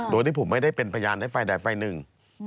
โดยที่ผมไม่ได้เป็นพยานให้ฝ่ายใดฝ่ายหนึ่ง